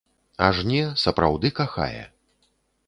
Аж не, сапраўды кахае.